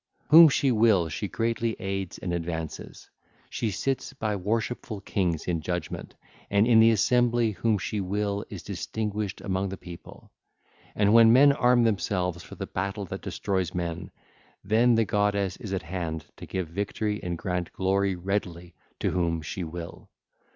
Whom she will she greatly aids and advances: she sits by worshipful kings in judgement, and in the assembly whom she will is distinguished among the people. And when men arm themselves for the battle that destroys men, then the goddess is at hand to give victory and grant glory readily to whom she will.